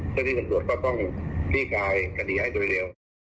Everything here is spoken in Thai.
เจ้าที่ส่งรวดก็ต้องที่กายคดีให้โดยเดียว